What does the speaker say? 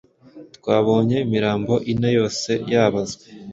"Twabonye imirambo ine, yose yabazwe